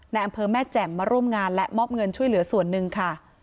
อำเภอแม่แจ่มมาร่วมงานและมอบเงินช่วยเหลือส่วนหนึ่งค่ะ